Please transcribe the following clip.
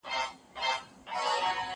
دا ځواب له هغه روښانه دی؟